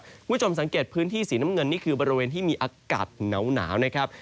คุณผู้ชมสังเกตพื้นที่สีน้ำเงินนี่คือบริเวณที่มีอากาศหนาวนะครับ